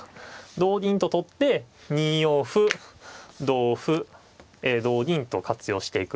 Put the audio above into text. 同銀と取って２四歩同歩同銀と活用していく。